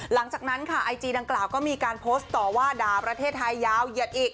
หลังจากนั้นค่ะไอจีดังกล่าวก็มีการโพสต์ต่อว่าด่าประเทศไทยยาวเหยียดอีก